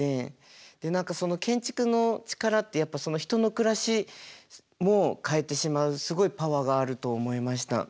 で何かその建築の力ってやっぱ人の暮らしも変えてしまうすごいパワーがあると思いました。